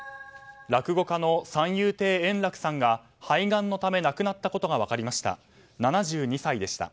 落語家の三遊亭円楽さんが肺がんのため亡くなったことが分かりました。